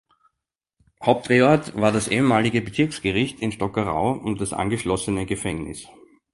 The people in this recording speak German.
Hauptdrehort war das ehemalige Bezirksgericht in Stockerau und das angeschlossene Gefängnis.